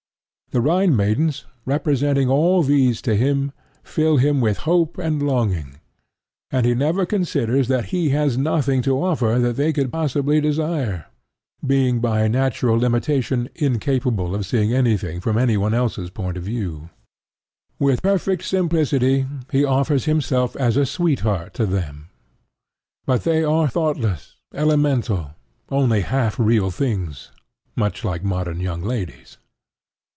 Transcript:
The Rhine maidens, representing all these to him, fill him with hope and longing; and he never considers that he has nothing to offer that they could possibly desire, being by natural limitation incapable of seeing anything from anyone else's point of view. With perfect simplicity, he offers himself as a sweetheart to them. But they are thoughtless, elemental, only half real things, much like modern young ladies.